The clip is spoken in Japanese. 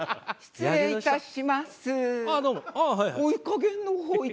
失礼いたします。